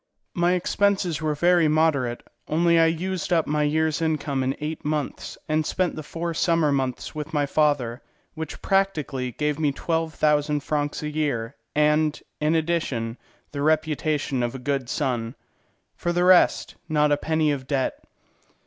My expenses were very moderate; only I used up my year's income in eight months, and spent the four summer months with my father, which practically gave me twelve thousand francs a year, and, in addition, the reputation of a good son. For the rest, not a penny of debt.